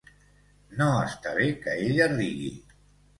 No està bé que ella rigui!